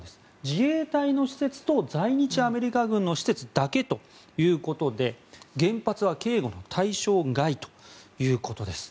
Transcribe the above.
自衛隊の施設と在日アメリカ軍の施設だけということで原発は警護の対象外ということです。